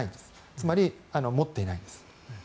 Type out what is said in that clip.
つまり、持っていないんです。